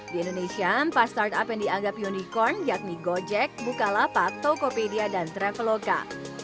di indonesia empat startup yang dianggap unicorn yakni gojek bukalapak tokopedia dan traveloka